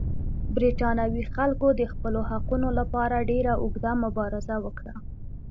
برېټانوي خلکو د خپلو حقونو لپاره ډېره اوږده مبارزه وکړه.